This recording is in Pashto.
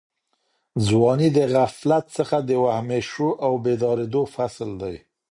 ځواني د غفلت څخه د وهمېشهو او بېدارېدو فصل دی.